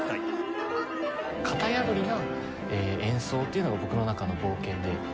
型破りな演奏というのが僕の中の冒険で。